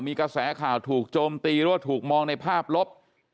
มีกระแสข่าวถูกโจมตีหรือว่าถูกมองในภาพลบ